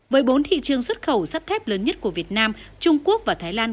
với bốn thị trường xuất khẩu sắt thép lớn nhất của việt nam trung quốc và thái lan